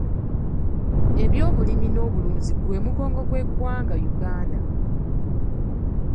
Eby'obulimi n'obulunzi gwe mugongo gwa Uganda.